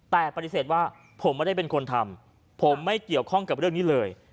แต่ปฏิเสธว่าผมไม่ได้เป็นคนทำผมไม่เกี่ยวข้องกับเรื่องนี้เลย